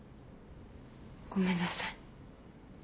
ごめんなさい。